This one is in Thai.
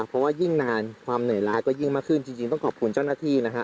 เพราะว่ายิ่งนานความเหนื่อยร้ายก็ยิ่งมากขึ้นจริงต้องขอบคุณเจ้าหน้าที่นะฮะ